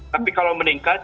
tapi kalau meningkat